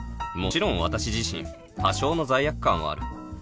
もちろん私自身多少の罪悪感はある